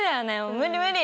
無理無理！